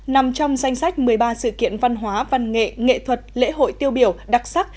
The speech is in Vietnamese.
nằm trong danh sách một mươi ba sự kiện văn hóa văn nghệ nghệ thuật lễ hội tiêu biểu đặc sắc